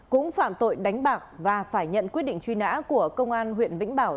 cũng phạm tội đánh bạc và phải nhận quyết định truy nã của công an huyện vĩnh bảo